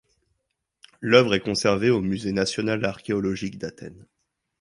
L'œuvre est conservée au Musée national archéologique d'Athènes.